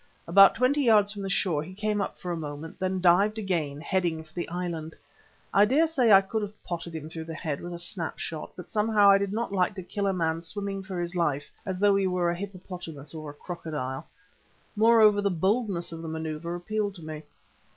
About twenty yards from the shore he came up for a moment, then dived again heading for the island. I dare say I could have potted him through the head with a snap shot, but somehow I did not like to kill a man swimming for his life as though he were a hippopotamus or a crocodile. Moreover, the boldness of the manoeuvre appealed to me.